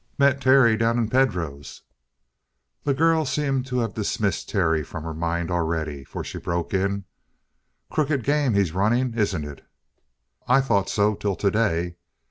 "Met Terry down in Pedro's " The girl seemed to have dismissed Terry from her mind already, for she broke in: "Crooked game he's running, isn't it?" "I thought so till today.